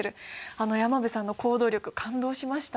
あの山邊さんの行動力感動しました。